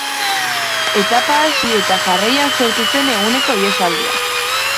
Etpa hasi eta jarraian sortu zen eguneko ihesaldia.